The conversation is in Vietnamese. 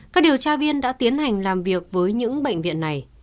các điều tra viên đã tiến hành làm việc với những bệnh viện này